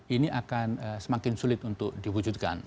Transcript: ini akan semakin sulit untuk diwujudkan